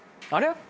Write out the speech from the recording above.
あれ？